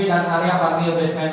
dan area panggil